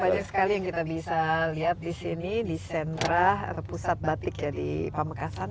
banyak sekali yang kita bisa lihat di sini di sentra atau pusat batik di pamekasan mungkin kita turun